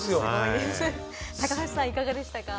高橋さん、いかがでしたか？